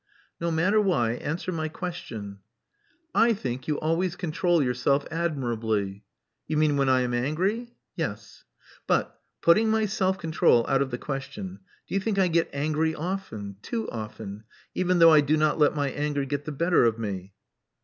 "No matter why. Answer my question." "I think you always control yourself admirably." "You mean when I am angry?" "Yes." "But, putting my self control out of the question, do you think I get angry often — too often, even though I do not let my anger get the better of me?"